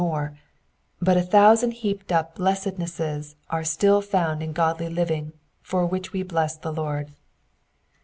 more, — ^but a thousand heaped up blessednesses are still found in godly living, for which we bless the Lord.